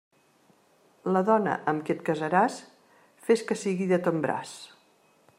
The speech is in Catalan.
La dona amb qui et casaràs, fes que sigui de ton braç.